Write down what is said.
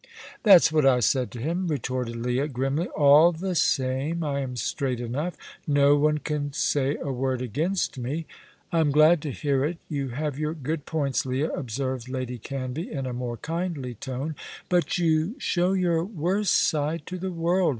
"That's what I said to him," retorted Leah, grimly. "All the same, I am straight enough. No one can say a word against me." "I'm glad to hear it. You have your good points, Leah," observed Lady Canvey, in a more kindly tone; "but you show your worst side to the world.